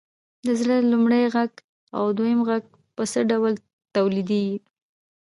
د زړه لومړی غږ او دویم غږ په څه ډول تولیدیږي؟